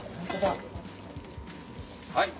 はい。